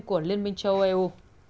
của liên minh châu âu